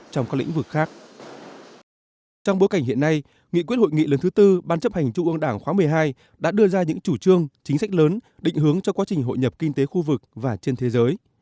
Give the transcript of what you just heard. trong bối cảnh hiện nay nghị quyết hội nghị lần thứ tư ban chấp hành trung ương đảng khóa một mươi hai đã đưa ra những chủ trương chính sách lớn định hướng cho quá trình hội nhập kinh tế khu vực và trên thế giới